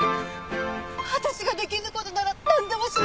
私が出来る事ならなんでもします。